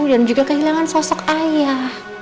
dan juga kehilangan sosok ayah